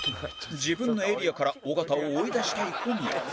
自分のエリアから尾形を追い出したい小宮